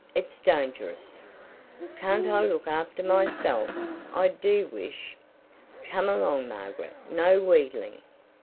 It's dangerous. " "Can't I look after myself? I do wish " "Come along, Margaret; no wheedling."